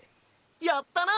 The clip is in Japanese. やったな！